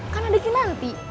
kan ada kinanti